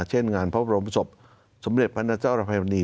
เช่นงานพระบรมศพสมเด็จพระนาเจ้าอภัยมณี